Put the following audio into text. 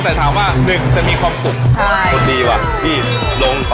แต่ถามว่าหนึ่งจะมีความสุขคนดีว่ะพี่ลง